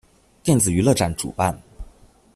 电子娱乐展主办。